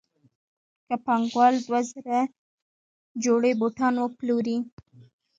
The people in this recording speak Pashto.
که پانګوال دوه زره جوړې بوټان وپلوري